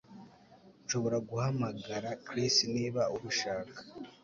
Nshobora guhamagara Chris niba ubishaka